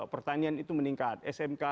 pertanian itu meningkat smk